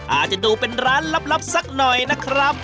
อาจจะดูเป็นร้านลับสักหน่อยนะครับ